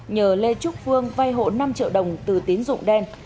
nhờ lê trúc phương vay hộ năm triệu đồng từ tín dụng đen